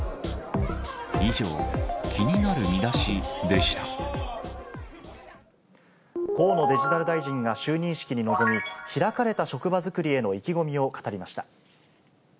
以上、河野デジタル大臣が就任式に臨み、開かれた職場作りへの意気込みを語りました。